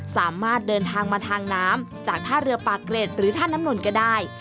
สามารถเดินทางมาทางน้ำจากท่าเรือปากเกร็ดหรือท่าน้ำนนก็ได้